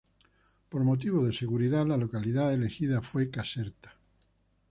Por motivos de seguridad, la localidad elegida fue Caserta.